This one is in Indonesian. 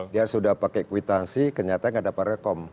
dia sudah pakai kwitansi kenyataan nggak dapat rekom